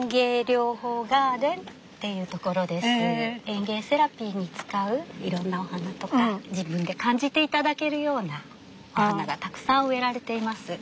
園芸セラピーに使ういろんなお花とか自分で感じて頂けるようなお花がたくさん植えられています。